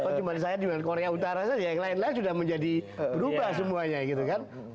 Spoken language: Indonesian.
kok cuma saya dengan korea utara saja yang lain lain sudah menjadi berubah semuanya gitu kan